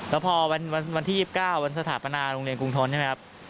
แล้วพอวันที่๒๙วันสถาปนาโรงเรียนกรุงทนใช่ไหมครับ